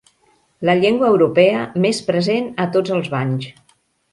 La llengua europea més present a tots els banys.